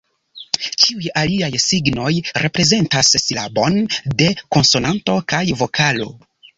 Ĉiuj aliaj signoj, reprezentas silabon de konsonanto kaj vokalo.